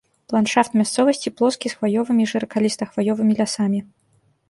Ландшафт мясцовасці плоскі з хваёвымі і шыракаліста-хваёвымі лясамі.